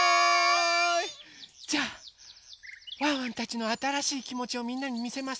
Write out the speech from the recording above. じゃあワンワンたちのあたらしいきもちをみんなにみせます。